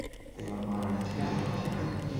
এবার পরানের চোখে জল আসিল।